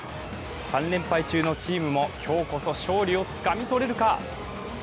３連敗中のチームも、今日こそ勝利をつかみとれるか。